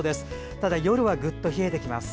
ただ夜はぐっと冷えてきます。